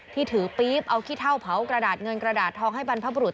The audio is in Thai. ที่ถือปี๊บเอาขี้เท่าเผากระดาษเงินกระดาษทองให้บรรพบรุษ